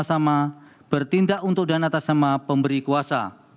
sama bertindak untuk dan atas nama pemberi kuasa